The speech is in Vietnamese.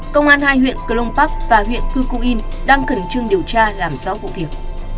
công an hai huyện cơ long park và huyện cư cụ yên đang cẩn trương điều tra làm rõ vụ việc